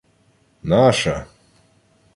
— Наша!